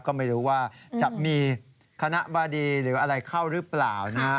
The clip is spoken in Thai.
ก็ไม่รู้ว่าจะมีคณะบาดีหรืออะไรเข้าหรือเปล่านะฮะ